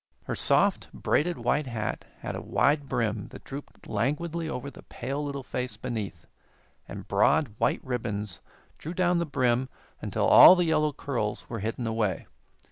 Her soft, braided white hat had a wide brim that drooped languidly over the pale little face beneath, and broad, white ribbons drew down the brim until all the yellow curls were hidden away.